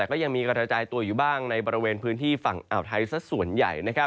ก็ยังมีกระจายตัวอยู่บ้างในบริเวณพื้นที่ฝั่งอ่าวไทยสักส่วนใหญ่